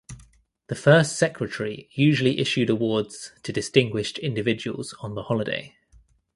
The First Secretary usually issued awards to distinguished individuals on the holiday.